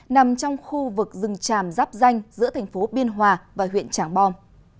nằm trong khu vực rừng tràm dắp danh giữa thành phố biên hòa và huyện tràng bom